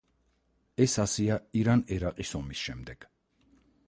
ეს ასეა ირან-ერაყის ომის შემდეგ.